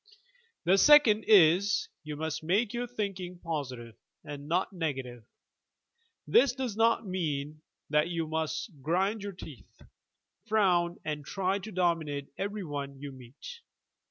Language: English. The second is: You must make your thinking positive and not negative. This does not mean that you must grind your teeth, frown and try to dominate every one you meet.